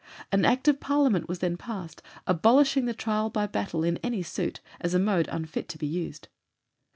An Act of Parliament was then passed abolishing the trial by battle in any suit, as a mode unfit to be used.